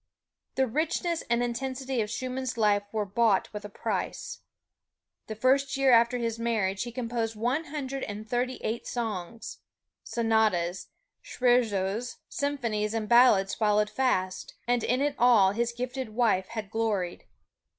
The richness and intensity of Schumann's life were bought with a price. The first year after his marriage he composed one hundred thirty eight songs. Sonatas, scherzos, symphonies and ballads followed fast, and in it all his gifted wife had gloried.